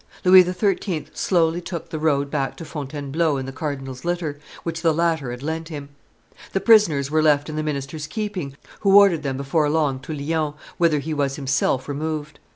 Louis XIII. slowly took the road back to Fontainebleau in the cardinal's litter, which the latter had lent him. The prisoners were left in the minister's keeping, who ordered them before long to Lyons, whither he was himself removed.